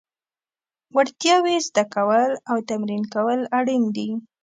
وړتیاوې زده کول او تمرین کول اړین دي.